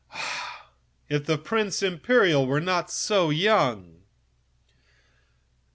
Ah! if only the Prince Imperial were not so young!